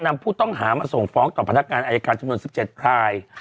นำผู้ต้องหามาส่งฟ้องต่อพนักงานอายการจำนวน๑๗ราย